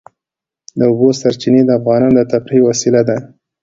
د اوبو سرچینې د افغانانو د تفریح یوه وسیله ده.